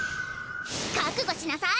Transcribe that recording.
覚悟しなさい！